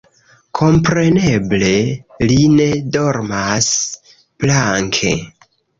Kompreneble, li ne dormas planke.